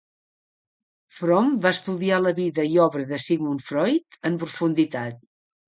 Fromm va estudiar la vida i obra de Sigmund Freud en profunditat.